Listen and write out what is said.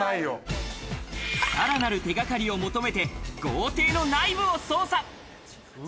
さらなる手がかりを求めて、豪邸の内部を捜査。